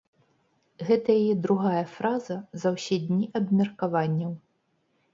Гэта яе другая фраза за ўсе дні абмеркаванняў.